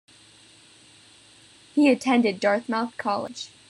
He attended Dartmouth College.